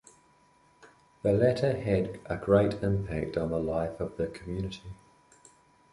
The latter had a great impact on the life of the community.